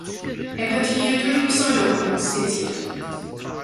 Er wird hier durch Pseudocode skizziert.